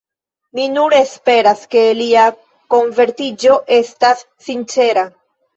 Mi nur esperas, ke lia konvertiĝo estas sincera.